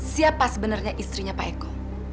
siapa sebenarnya istrinya pak eko